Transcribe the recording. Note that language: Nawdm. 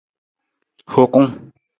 Hokung.